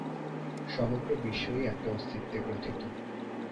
সমগ্র বিশ্বই একটি অস্তিত্বে গ্রথিত।